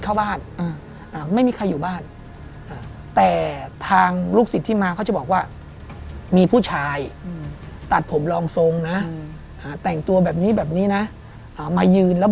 กับคุณพัฒน์อย่างนี้หรอ